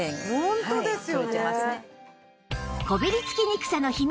ホントですよね。